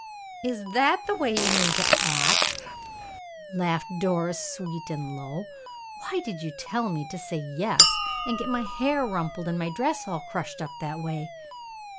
"Is that the way you mean to act?" laughed Doris, sweet and low. "Why did you tell me to say 'yes,' and get my hair rumpled, and my dress all crushed up that way?"